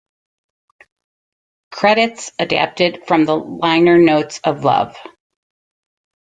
Credits adapted from the liner notes of Love.